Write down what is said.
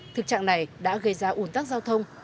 thực trạng này đã gây ra ủn tắc giao thông